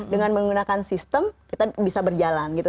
dengan menggunakan sistem kita bisa berjalan gitu